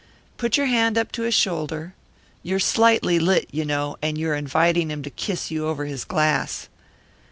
Put your hand up to his shoulder. You're slightly lit, you know, and you're inviting him to kiss you over his glass.